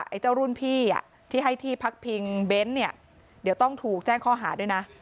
ไอ้เจ้ารุ่นพี่ที่ให้ที่พักพิงเบนท์เนี่ยเดี๋ยวต้องถูกแจ้งข้อหาด้วยนะ